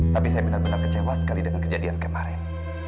tapi saya benar benar kecewa sekali dengan kejadian kemarin